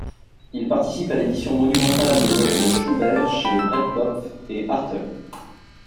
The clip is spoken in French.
Il participe à l'édition monumentale des œuvres de Schubert chez Breitkopf et Härtel.